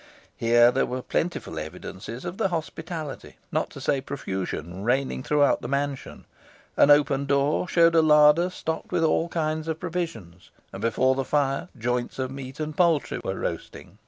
Here there were plentiful evidences of the hospitality, not to say profusion, reigning throughout the mansion. An open door showed a larder stocked with all kinds of provisions, and before the fire joints of meat and poultry were roasting.